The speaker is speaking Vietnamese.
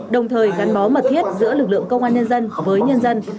đồng thời gắn bó mật thiết giữa lực lượng công an nhân dân với nhân dân